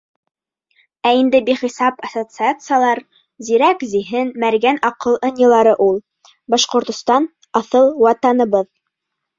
Ә инде бихисап ассоциациялар — зирәк зиһен, мәргән аҡыл ынйылары ул. Башҡортостан — аҫыл ватаныбыҙ.